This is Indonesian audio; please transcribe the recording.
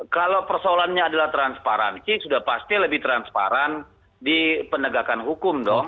kalau persoalannya adalah transparansi sudah pasti lebih transparan di penegakan hukum dong